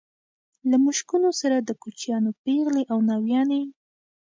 له مشکونو سره د کوچیانو پېغلې او ناويانې.